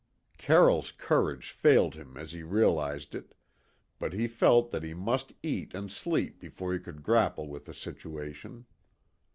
Carroll's courage failed him as he realised it, but he felt that he must eat and sleep before he could grapple with the situation.